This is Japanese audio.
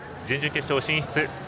準々決勝進出。